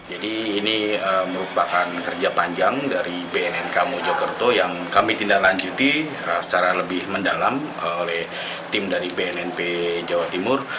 jadi ini merupakan kerja panjang dari bnnk mojokerto yang kami tindak lanjuti secara lebih mendalam oleh tim dari bnnp jawa timur